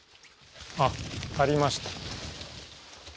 あっありました。